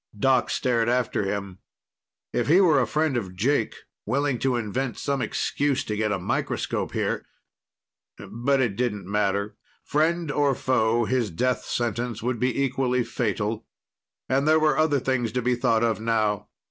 Doc stared after him. If he were a friend of Jake, willing to invent some excuse to get a microscope here ... but it didn't matter. Friend or foe, his death sentence would be equally fatal. And there were other things to be thought of now.